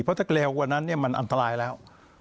เพราะถ้าเร็วกว่านั้นมันอันตรายแล้ว